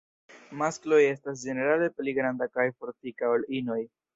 Maskloj estas ĝenerale pli granda kaj fortika ol inoj.